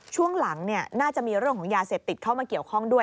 ช่วงหลังน่าจะมีเรื่องของยาเสพติดเข้ามาเกี่ยวข้องด้วย